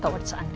tau ada saatnya